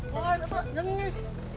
wah kakak nyengih